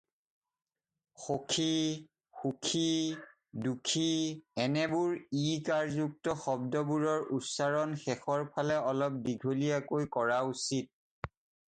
"সখী, সুখী ,দুখী" এনেবোৰ ঈ-কাৰযুক্ত শব্দবোৰৰ উচ্চাৰণ শেষৰ ফালে অলপ দীঘলীয়াকৈ কৰা উচিত।